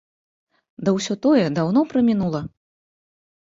Да ўсё тое даўно прамінула.